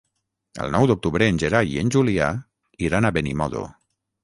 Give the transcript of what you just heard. El nou d'octubre en Gerai i en Julià iran a Benimodo.